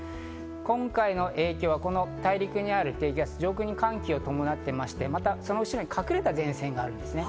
今回の影響はこの大陸にある低気圧、上空に寒気を伴ってまして、その後ろに隠れた前線があるんですね。